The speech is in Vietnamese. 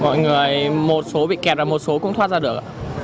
mọi người một số bị kẹt ở một số cũng thoát ra được